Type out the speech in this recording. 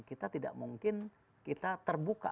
kita tidak mungkin kita terbuka